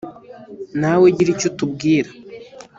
nawe gira icyo utubwira